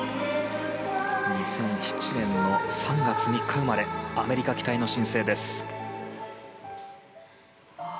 ２００７年の３月３日生まれアメリカ期待の新星です。